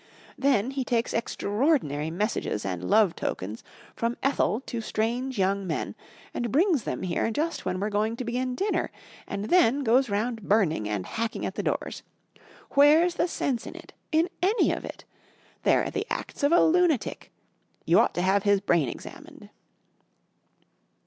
Then he takes extraordinary messages and love tokens from Ethel to strange young men and brings them here just when we're going to begin dinner, and then goes round burning and hacking at the doors. Where's the sense in it in any of it? They're the acts of a lunatic you ought to have his brain examined."